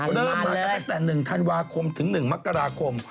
เริ่มมากันตั้งแต่๑ธันวาคมถึง๑มกราคม